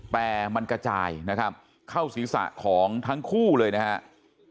แต่มันกระจายนะครับเข้าศีรษะของทั้งคู่เลยนะครับ